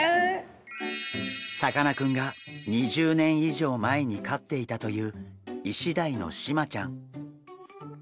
さかなクンが２０年以上前に飼っていたというイシダイのシマちゃん。